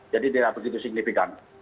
jadi tidak begitu signifikan